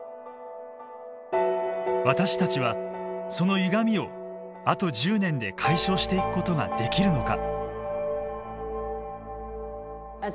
私たちはそのゆがみをあと１０年で解消していくことができるのか。